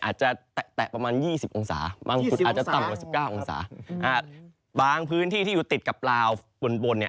อาจจะแตะประมาณ๒๐องศาบางจุดอาจจะต่ำกว่า๑๙องศาบางพื้นที่ที่อยู่ติดกับลาวบนเนี่ย